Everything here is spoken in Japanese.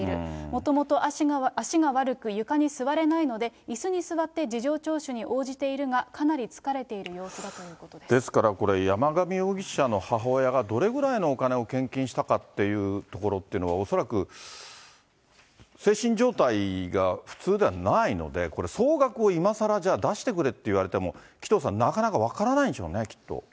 もともと足が悪く、床に座れないので、いすに座って事情聴取に応じているが、かなり疲れている様子だとですから、これ山上容疑者の母親がどれぐらいのお金を献金したかっていうところっていうのは、恐らく精神状態が普通ではないので、これ、総額をいまさらじゃあ、出してくれって言われても、紀藤さん、なかなか分からないんでしょうね。